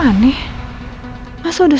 masa udah sampai malah dibawa